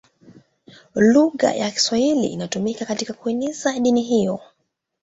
Lugha ya Kiswahili ilitumika katika kueneza dini hiyo.